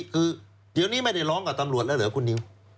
คือเดี๋ยวนี้ไม่ได้ร้องกับตำรวจแล้วเหรอคุณนิว